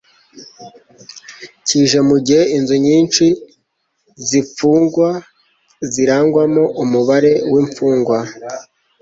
kije mu gihe inzu nyinshi z'imfungwa zirangwamo umubare w'imfungwa